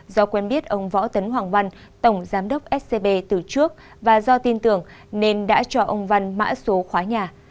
do quen biết ông võ tấn hoàng văn tổng giám đốc scb từ trước và do tin tưởng nên đã cho ông văn mã số khóa nhà